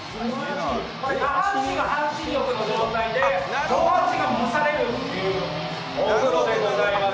下半身が半身浴の状態で上半身が蒸されるというお風呂でございます。